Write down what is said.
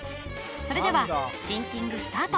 それではシンキングスタート